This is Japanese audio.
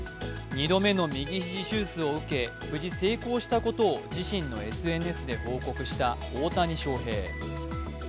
２度目の右肘手術を受け無事成功したことを自身のＳＮＳで報告した大谷翔平。